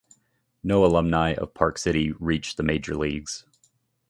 No alumni of Park City reached the major leagues.